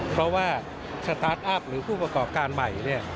เพราะว่าสตาร์ทอัพหรือผู้ประกอบการใหม่เนี่ย